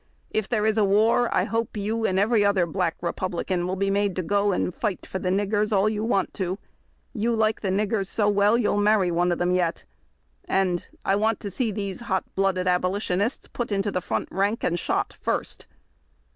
..." If there is a war, I hope you and every other Black Republican will be made to go and fight for the niggers all you want to." ... "You like the niggers so well you'll marry one of them yet." ... And, "I want to see those hot headed Abolitionists put into the front rank, and sliot first."